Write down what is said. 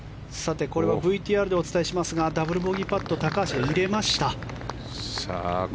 ＶＴＲでお伝えしますがダブルボギーパットを高橋が入れました。